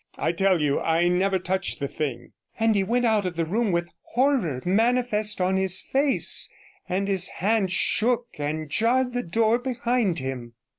I tell you, I never touched the thing,' and he went out of the room with horror manifest on his face, and his hand shook and jarred the door behind him.